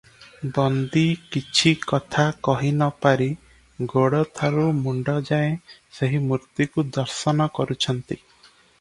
ବନ୍ଦୀ କିଛି କଥା କହି ନ ପାରି ଗୋଡ଼ଠାରୁ ମୁଣ୍ତ ଯାଏ ସେହି ମୂର୍ତ୍ତିକୁ ଦର୍ଶନ କରୁଛନ୍ତି ।